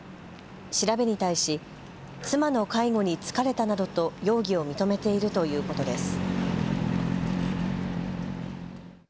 調べに対し妻の介護に疲れたなどと容疑を認めているということです。